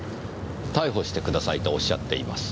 逮捕してくださいとおっしゃっています。